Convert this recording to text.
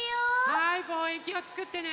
はいぼうえんきょうつくってね。